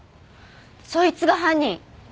そいつが犯人。